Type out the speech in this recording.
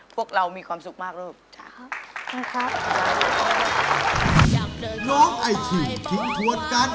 พวกเรามีความสุขมากลูก